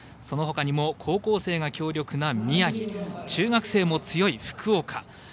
そのほかにも高校生が強力な宮城、中学生も強い福岡。